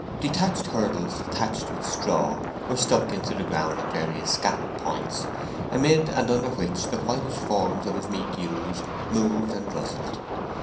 Detached hurdles thatched with straw were stuck into the ground at various scattered points, amid and under which the whitish forms of his meek ewes moved and rustled.